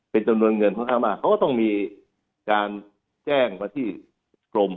เป็นจำนวนเงินค่อนข้างมากเขาก็ต้องมีการแจ้งมาที่กรม